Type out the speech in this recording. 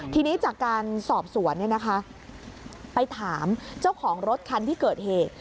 ทีนี้จากการสอบสวนไปถามเจ้าของรถคันที่เกิดเหตุ